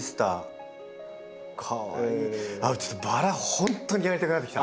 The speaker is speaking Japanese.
本当にやりたくなってきた！